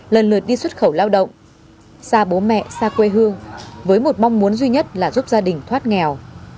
lần lượt đi xuất khẩu lao động xa bố mẹ xa quê hương với một mong muốn duy nhất là giúp gia đình thoát nghèo